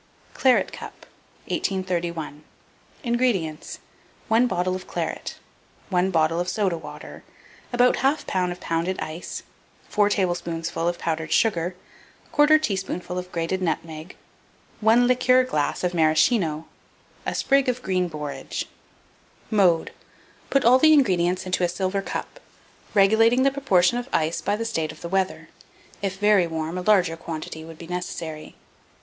CLARET CUP. [Illustration: CLARET CUP.] 1831. INGREDIENTS. 1 bottle of claret, 1 bottle of soda water, about 1/2 lb. of pounded ice, 4 tablespoonfuls of powdered sugar, 1/4 teaspoonful of grated nutmeg, 1 liqueur glass of Maraschino, a sprig of green borage. Mode. Put all the ingredients into a silver cup, regulating the proportion of ice by the state of the weather: if very warm, a larger quantity would be necessary.